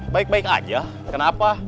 baik baik aja kenapa